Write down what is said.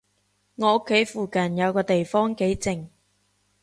我屋企附近有個地方幾靜